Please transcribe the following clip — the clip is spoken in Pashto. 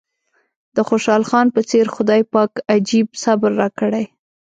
د خوشحال خان په څېر خدای پاک عجيب صبر راکړی.